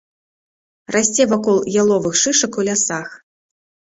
Расце вакол яловых шышак у лясах.